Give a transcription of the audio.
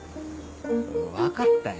分かったよ。